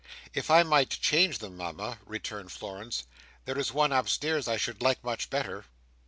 "If I might change them, Mama," returned Florence; "there is one upstairs I should like much better."